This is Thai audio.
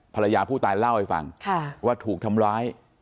ภรรยาผู้ตายเล่าให้ฟังว่าถูกทำร้าย